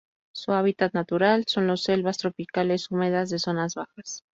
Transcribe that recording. Su hábitat natural son los selvas tropicales húmedas de zonas bajas.